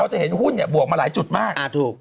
เราจะเห็นหุ้นบวกมาหลายจุดมาก